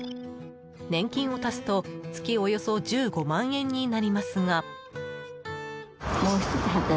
年金を足すと月およそ１５万円になりますが。